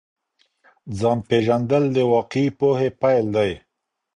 ځان پیژندل د واقعي پوهي پیل دی.